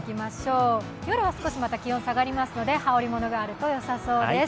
夜はまた少し気温が下がりますので、羽織り物があるとよさそうです。